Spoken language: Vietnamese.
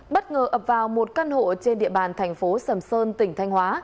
bất ngờ ập vào một căn hộ trên địa bàn thành phố sầm sơn tỉnh thanh hóa